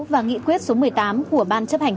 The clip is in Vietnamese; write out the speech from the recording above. và nghị quyết số một mươi tám của ban chấp hành